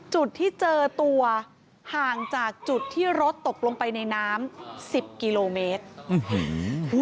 จุดที่เจอตัวห่างจากจุดที่รถตกลงไปในน้ำสิบกิโลเมตร